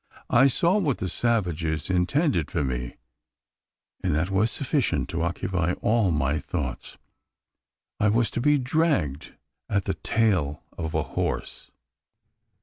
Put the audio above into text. I saw what the savages intended for me; and that was sufficient to occupy all my thoughts. I was to be dragged at the tail of a horse!